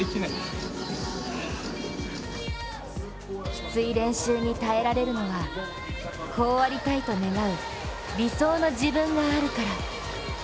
キツい練習に耐えられるのはこうありたいと願う、理想の自分があるから。